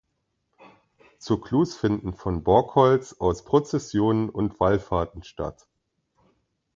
Zur Klus finden von Borgholz aus Prozessionen und Wallfahrten statt.